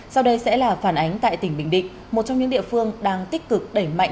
sau đây sẽ là phản ánh tại tỉnh bình định một trong những địa phương đang tích cực đẩy mạnh